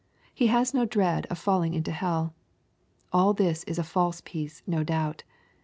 He has no dread of falling into hell. All this is a false peace no doubt.